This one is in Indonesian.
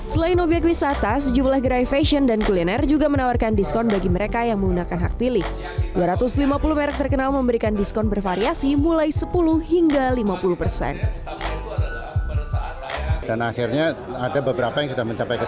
selain objek wisata berbagai gerai makanan dan minuman di kota bandung turut serta memilih